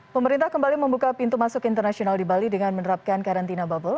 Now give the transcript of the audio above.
pemerintah kembali membuka pintu masuk internasional di bali dengan menerapkan karantina bubble